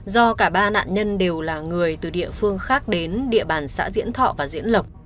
do cả ba nạn nhân đều là người từ địa phương khác đến địa bàn xã diễn thọ và diễn lộc